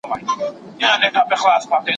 که پلان سم وي پایلې به یې ښې وي.